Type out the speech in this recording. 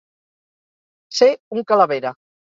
Ser un calavera.